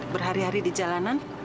berhari hari di jalanan